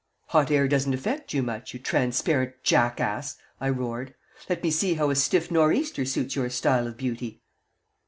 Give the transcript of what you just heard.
"Hot air doesn't affect you much, you transparent jackass!" I roared. "Let me see how a stiff nor'easter suits your style of beauty."